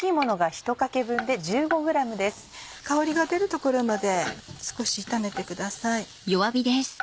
香りが出るところまで少し炒めてください。